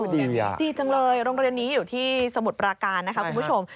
ดีจังเลยโรงเรียนนี้อยู่ที่สมุทรปราการนะคะคุณผู้ชม